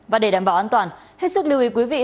và để đảm bảo an toàn hết sức lưu ý quý vị